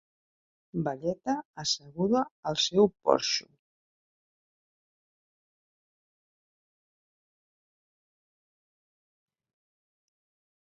Velleta asseguda al seu porxo